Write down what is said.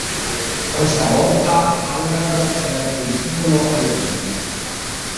Questa volta Haller perde il titolo ai punti.